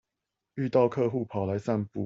遇到客戶跑來散步